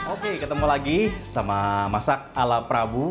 oke ketemu lagi sama masak ala prabu